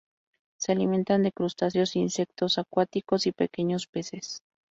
Se alimentan de crustáceos, insectos acuáticos y pequeños peces.